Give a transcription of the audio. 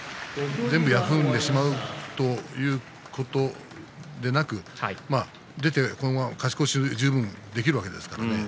全部休んでしまうということでなく出てこのまま勝ち越し十分できるわけですからね。